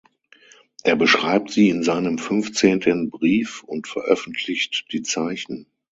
Er beschreibt sie in seinem fünfzehnten Brief und veröffentlicht die Zeichen.